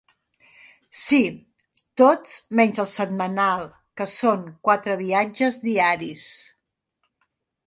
Sí, tots menys el setmanal, que són quatre viatges diaris.